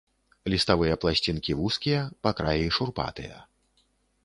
Ліставыя пласцінкі вузкія, па краі шурпатыя.